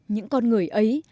những con người ấy